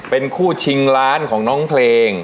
เป็นคู่ชิงล้านของน้องเพลง